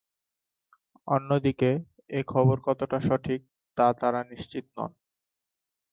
অন্যদিকে এ খবর কতটা সঠিক তা তাঁরা নিশ্চিত নন।